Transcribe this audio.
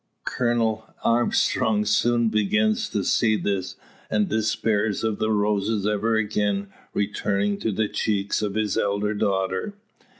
Colonel Armstrong soon begins to see this, and despairs of the roses ever again returning to the cheeks of his elder daughter.